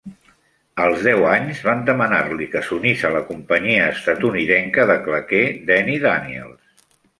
Als deu anys, van demanar-li que s'unís a la companyia estatunidenca de claqué Danny Daniels.